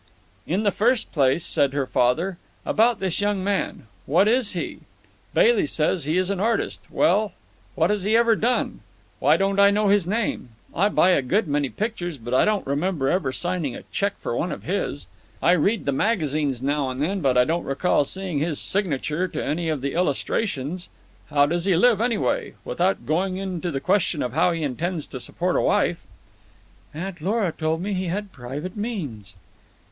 "In the first place," said her father, "about this young man. What is he? Bailey says he is an artist. Well, what has he ever done? Why don't I know his name? I buy a good many pictures, but I don't remember ever signing a cheque for one of his. I read the magazines now and then, but I can't recall seeing his signature to any of the illustrations. How does he live, anyway, without going into the question of how he intends to support a wife?" "Aunt Lora told me he had private means."